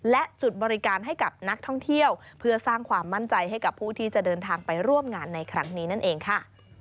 และจุดบริการให้กับนักท่องเที่ยวเพื่อสร้างความมั่นใจให้กับผู้ที่จะเดินทางไปร่วมงานในครั้งนี้นั่นเองค่ะ